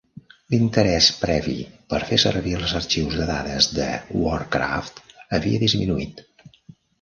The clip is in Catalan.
L'interès previ per fer servir els arxius de dades de WarCraft havia disminuït.